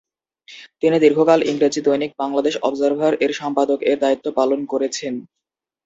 তিনি দীর্ঘকাল ইংরেজি দৈনিক বাংলাদেশ অবজার্ভার-এর সম্পাদক-এর দায়িত্ব পালন করেছেন।